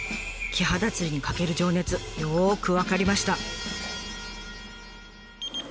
キハダ釣りにかける情熱よく分かりました。